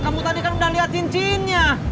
kamu tadi kan udah lihat cincinnya